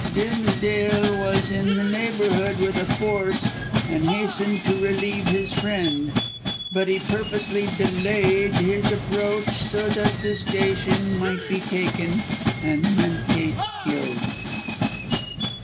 Dimsdale was in the neighbourhood with a force and hastened to relieve his friend. But he purposely delayed his approach so that the station might be taken and Menteith killed."